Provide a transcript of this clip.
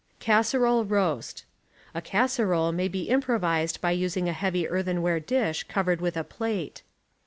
CASSEROLE ROAST — (A casserole may be improvised by using a heavy earthenware dish covered with a plate.)